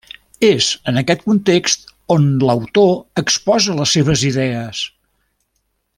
És en aquest context on l'autor exposa les seves idees.